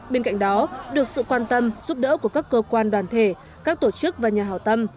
bên cạnh đó được sự quan tâm giúp đỡ của các cơ quan đoàn thể các tổ chức và nhà hảo tâm